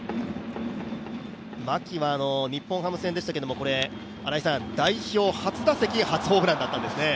牧は日本ハム戦でしたけど、代表初打席初ホームランだったんですね。